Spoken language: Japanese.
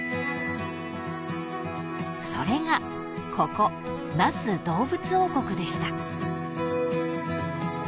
［それがここ那須どうぶつ王国でした］